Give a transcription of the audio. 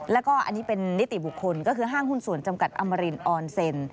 แล้วก็อันนี้เป็นนิติบุคคลก็คือห้างหุ้นส่วนจำกัดอมรินออนเซ็น